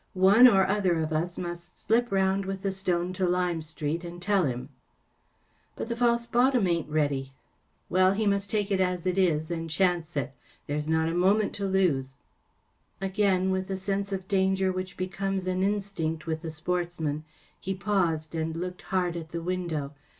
One or other of us must slip round with the stone to Lime Street and tell him.‚ÄĚ “ But the false bottom ain’t ready.‚ÄĚ “ Well, he must take it as it is and chance it. There’s not a moment to lose.‚ÄĚ Again, with the sense of danger which becomes an instinct with the sportsman, he paused and looked hard at the window.